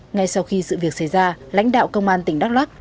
ngay sau khi sự việc xảy ra lãnh đạo công an tỉnh đắk lắc